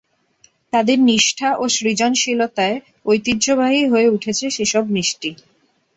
তাদের নিষ্ঠা ও সৃজনশীলতায় ঐতিহ্যবাহী হয়ে উঠেছে সেসব মিষ্টি।